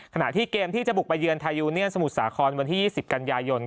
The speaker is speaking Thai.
ขณะที่เกมที่จะบุกไปเยือนทายูเนียนสมุทรสาครวันที่๒๐กันยายน